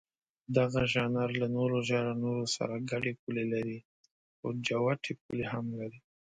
دغه ژانر له نورو ژانرونو سره ګډې پولې لري، خو جوتې پولې هم لري.